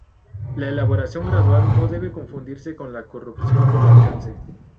La elaboración gradual no debe confundirse con la corrupción del alcance.